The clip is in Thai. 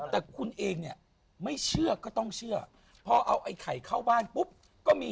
หลอนหลอนจริง